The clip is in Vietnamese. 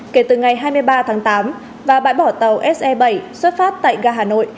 kể từ ngày hai mươi ba tháng tám và bãi bỏ tàu se bảy xuất phát tại ga hà nội